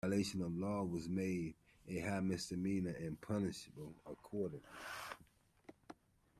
Violation of this law was made a high misdemeanor and punished accordingly.